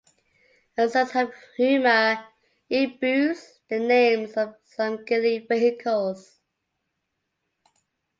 A sense of humor imbues the names of some Geely vehicles.